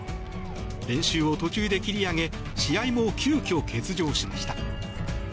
練習を途中で切り上げ試合も急きょ、欠場しました。